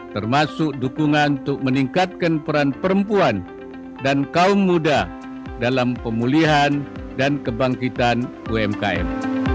termasuk dukungan untuk meningkatkan peran perempuan dan kaum muda dalam pemulihan dan kebangkitan umkm